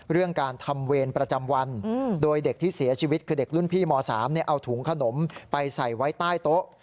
เรื่องการทำเวรประจำวันโดยเด็กที่เสียชีวิตคือเด็กรุ่นพี่ม๓เอาถุงขนมไปใส่ไว้ใต้โต๊ะ